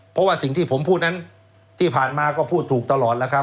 เพราะว่าสิ่งที่ผมพูดนั้นที่ผ่านมาก็พูดถูกตลอดแล้วครับ